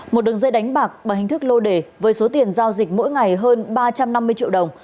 một đường dây đánh bạc bằng hình thức lô đề với số tiền giao dịch mỗi ngày hơn ba trăm năm mươi triệu đồng